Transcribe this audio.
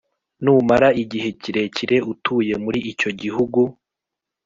Numara igihe kirekire utuye muri icyo gihugu,